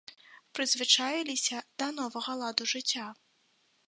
Прызвычаіліся да новага ладу жыцця?